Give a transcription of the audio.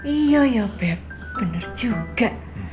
iya ya bep bener juga